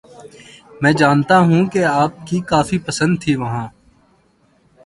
میں جانتا ہیںں کہ آپ کیں کافی پسند تھیں وہاں